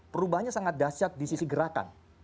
perubahannya sangat dahsyat di sisi gerakan